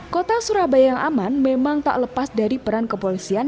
kota surabaya yang aman memang tak lepas dari peran kepolisian